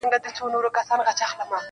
یوه ورځ قسمت راویښ بخت د عطار کړ-